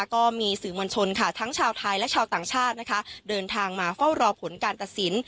ก็มีสื่อมวลชนค่ะทั้งชาวไทยและชาวต่างชาตินะคะเดินทางมาเฝ้ารอผลการตัดสิน